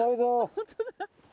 本当だ。